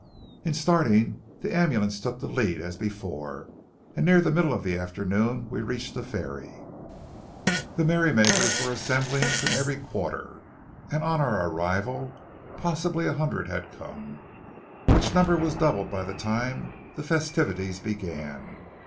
In starting, the ambulance took the lead as before, and near the middle of the afternoon we reached the ferry. The merry makers were assembling from every quarter, and on our arrival possibly a hundred had come, which number was doubled by the time the festivities began.